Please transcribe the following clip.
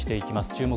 「注目！